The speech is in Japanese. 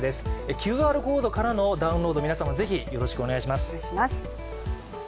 ＱＲコードからのダウンロード、皆様もぜひよろしくお願いします。